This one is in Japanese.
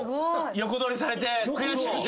横取りされて悔しくて。